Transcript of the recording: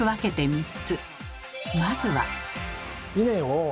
まずは。